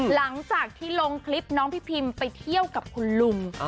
หลังจากที่ลงคลิปน้องพี่พิมไปเที่ยวกับคุณลุง